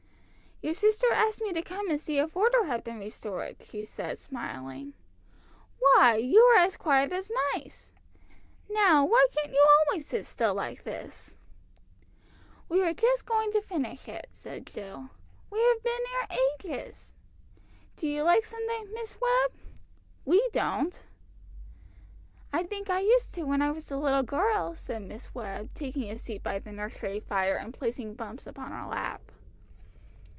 "Your sister asked me to come and see if order had been restored," she said, smiling. "Why, you are as quiet as mice! Now, why can't you always sit still like this?" "We were just going to finish it," said Jill. "We've been here ages. Do you like Sunday, Miss Webb? We don't." "I think I used to when I was a little girl," said Miss Webb, taking a seat by the nursery fire, and placing Bumps upon her lap.